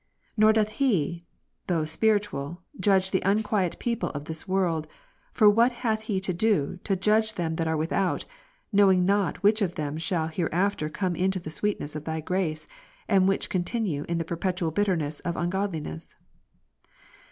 Nor doth he, though spiritual, judge 1 Cor. the unquiet people of this woi'ld ; for what hath he to do, to '' jtif^gc them that are without, knowing not which of them shall hereafter come into the sweetness of Thy grace ; and which continue in the perpetual bitterness of ungodliness